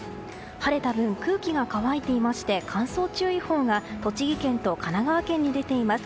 晴れた分、空気が乾いていまして乾燥注意報が栃木県と神奈川県に出ています。